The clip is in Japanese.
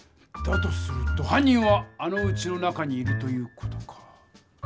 だとするとはん人はあのうちの中にいるという事か。